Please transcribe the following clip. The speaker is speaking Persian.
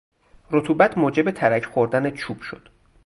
رطوبت موجب ترک خوردن چوب شد.